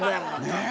ねえ。